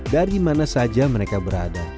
dari mana saja mereka berada